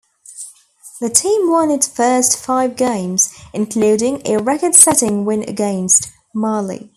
The team won its first five games, including a record-setting win against Mali.